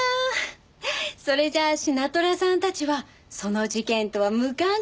それじゃあシナトラさんたちはその事件とは無関係ですね。